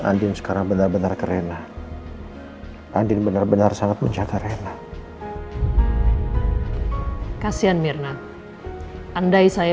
adin sekarang benar benar keren adin benar benar sangat mencantar enak kasihan mirna andai saya